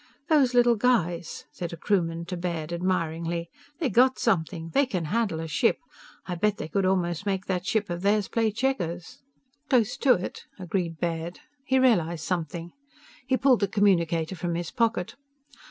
"These little guys," said a crewman to Baird, admiringly, "they got something. They can handle a ship! I bet they could almost make that ship of theirs play checkers!" "Close to it," agreed Baird. He realized something. He pulled the communicator from his pocket.